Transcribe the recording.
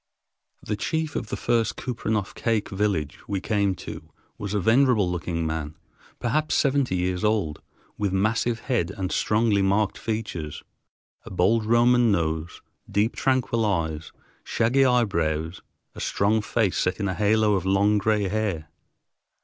The chief of the first Kupreanof Kake village we came to was a venerable looking man, perhaps seventy years old, with massive head and strongly marked features, a bold Roman nose, deep, tranquil eyes, shaggy eyebrows, a strong face set in a halo of long gray hair.